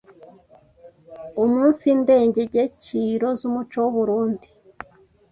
umunsi ndengeciro z’umuco w’u Burunndi